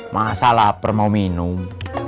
masa lapar mau minum